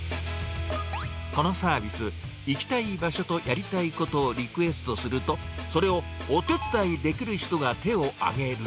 このサービス、行きたい場所とやりたいことをリクエストすると、それをお手伝いできる人が手を挙げる。